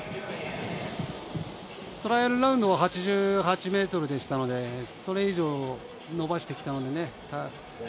トライアルラウンドは８８ｍだったので、それ以上伸ばしてきたのでね。